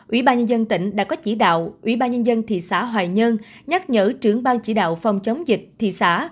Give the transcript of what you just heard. ubnd tỉnh đã có chỉ đạo ubnd thị xã hoài nhân nhắc nhở trưởng ban chỉ đạo phòng chống dịch thị xã